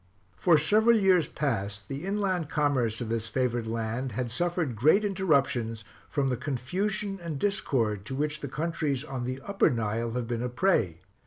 For several years past the inland commerce of this favored land had suffered great interruptions from the confusion and discord to which the countries on the Upper Nile have been a prey.